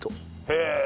へえ！